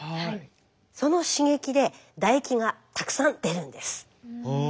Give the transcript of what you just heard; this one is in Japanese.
その刺激で唾液がたくさん出るんです。